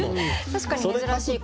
確かに珍しい答え。